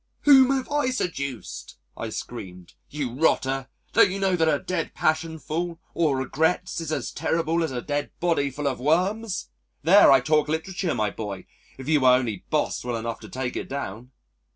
"Whom have I seduced?" I screamed. "You rotter, don't you know that a dead passion full of regrets is as terrible as a dead body full of worms? There, I talk literature, my boy, if you were only Boswell enough to take it down....